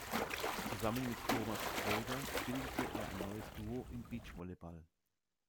Zusammen mit Thomas Kröger bildete er ein neues Duo im Beachvolleyball.